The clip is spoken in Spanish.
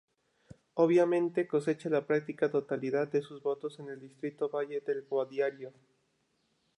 Obviamente, cosecha la práctica totalidad de sus votos en el distrito Valle del Guadiaro.